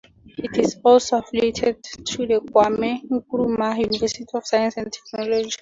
It is also affiliated to the Kwame Nkrumah University of Science and Technology.